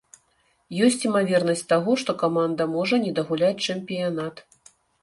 Ёсць імавернасць таго, што каманда можа не дагуляць чэмпіянат.